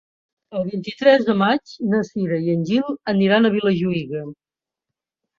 El vint-i-tres de maig na Cira i en Gil aniran a Vilajuïga.